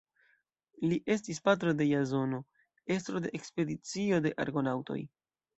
Li estis patro de Jazono, estro de ekspedicio de Argonaŭtoj.